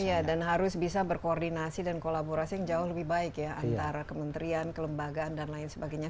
iya dan harus bisa berkoordinasi dan kolaborasi yang jauh lebih baik ya antara kementerian kelembagaan dan lain sebagainya